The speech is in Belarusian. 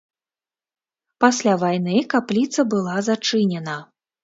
Пасля вайны капліца была зачынена.